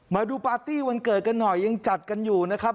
มาดูปาร์ตี้วันเกิดกันหน่อยยังจัดกันอยู่นะครับ